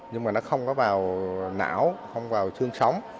nhưng mà nó không có vào não không vào xương sống